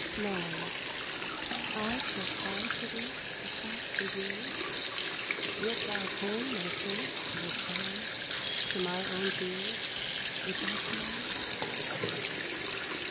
IX I shall cry to thee across the years ? Wilt thou turn thy face to respond To my own tears with thy smile